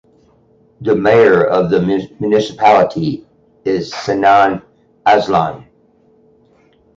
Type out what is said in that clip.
The mayor of the municipality is Sinan Aslan.